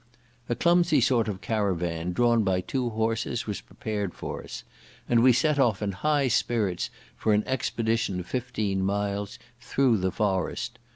A clumsy sort of caravan drawn by two horses was prepared for us; and we set off in high spirits for an expedition of fifteen miles through the forest.